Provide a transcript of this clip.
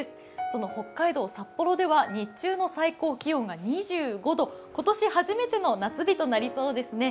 その北海道・札幌では日中の最高気温が２５度、今年初めての夏日となりそうですね。